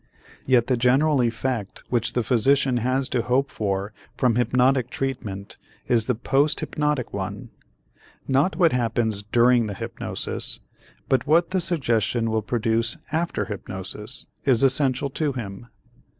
Yet the general effect which the physician has to hope for from hypnotic treatment is the post hypnotic one. Not what happens during the hypnosis but what the suggestion will produce after hypnosis is essential to him.